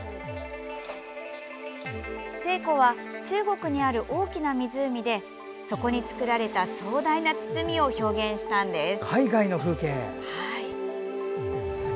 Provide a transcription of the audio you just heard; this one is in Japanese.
西湖は、中国にある大きな湖でそこに造られた壮大な堤を表現したんです。